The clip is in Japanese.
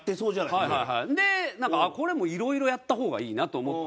でなんかこれもういろいろやった方がいいなと思って。